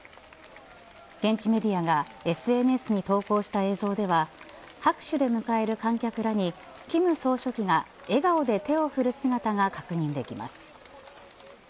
現地メディアはＳＮＳに投稿した映像では拍手で迎える観客らに金総書記が笑顔で手を振る姿が確認できます。